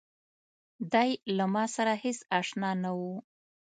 دی له ماسره هېڅ آشنا نه و.